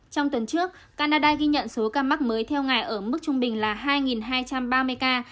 trong tuần trước canada ghi nhận số ca mắc mới theo ngày ở mức trung bình là hai hai trăm ba mươi ca